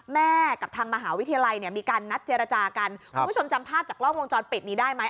กับทางมหาวิทยาลัยเนี่ยมีการนัดเจรจากันคุณผู้ชมจำภาพจากกล้องวงจรปิดนี้ได้ไหม